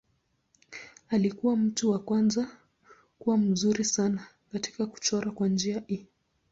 Alikuwa mtu wa kwanza kuwa mzuri sana katika kuchora kwa njia hii.